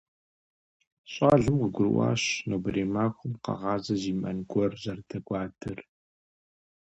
Щӏалэм къыгурыӀуащ нобэрей махуэм къэгъазэ зимыӀэн гуэр зэрыдэкӀуэдар.